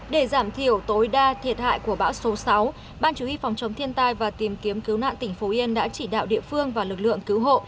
để giảm thiểu tối đa thiệt hại của bão số sáu ban chủ y phòng chống thiên tai và tìm kiếm cứu nạn tỉnh phú yên đã chỉ đạo địa phương và lực lượng cứu hộ